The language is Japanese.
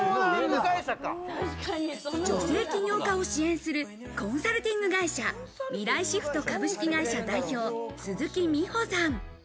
女性起業家を支援するコンサルティング会社、未来シフト株式会社代表・鈴木未歩さん。